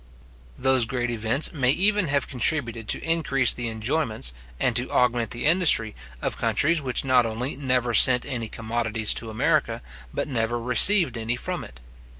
Those great events may even have contributed to increase the enjoyments, and to augment the industry, of countries which not only never sent any commodities to America, but never received any from it.